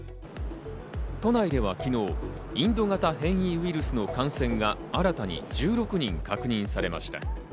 都内では昨日、インド型変異ウイルスの感染が新たに１６人確認されました。